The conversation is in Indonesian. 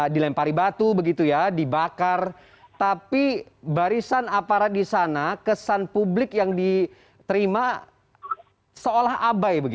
dilempari batu begitu ya dibakar tapi barisan aparat di sana kesan publik yang diterima seolah abai